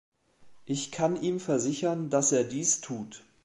Ich kann ihm versichern, dass er dies tut.